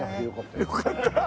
よかった？